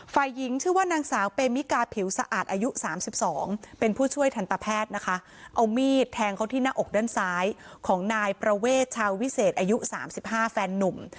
ฝ่ายหญิงชื่อว่านางสาวเปมิกาผิวสะอาดอายุ๓๒เป็นผู้ช่วยทันตแพทย์นะคะเอามีดแทงเขาที่หน้าอกด้านซ้ายของนายประเวทชาววิเศษอายุ๓๕แฟนนุ่ม